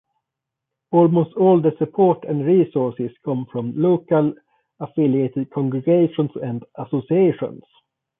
Almost all the support and resources come from the local affiliated congregations and associations.